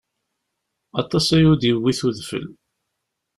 Aṭas aya ur d-yewwit udfel.